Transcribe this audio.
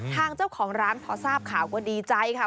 ทางเจ้าของร้านพอทราบข่าวก็ดีใจค่ะ